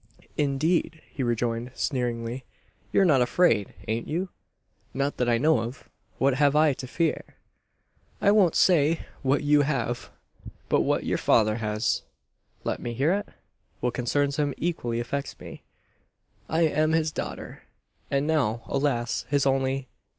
"Indeed!" he rejoined, sneeringly. "You're not afraid, ain't you?" "Not that I know of. What have I to fear?" "I won't say what you have; but what your father has." "Let me hear it? What concerns him, equally affects me. I am his daughter; and now, alas, his only